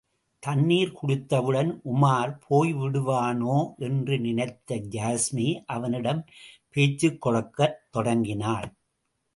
தண்ணீர் குடித்தவுடன் உமார் போய் விடுவானோ என்று நினைத்த யாஸ்மி அவனிடம் பேச்சுக்கொடுக்கத் தொடங்கினான்.